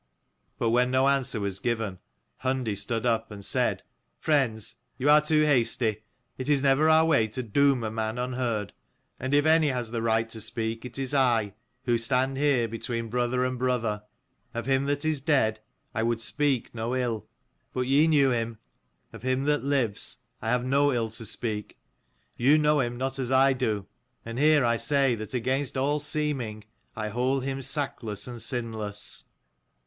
But when no answer was given, Hundi stood up and said " Friends, you are too hasty. It is never our way to doom a man unheard: and if any has the right to speak it is I, who stand here between brother and brother. Of him that is dead, I would speak no ill : but ye knew him. Of him that lives I have no ill to speak. Ye know him not as I do ; and here I say that against all seeming I hold him sackless and sinless."